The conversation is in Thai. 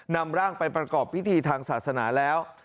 นำร่างไปประกอบพิธีทางศาสนาแล้ว